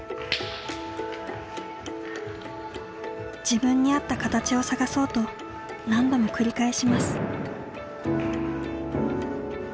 自分に合った形を探そうと何度も繰り返します。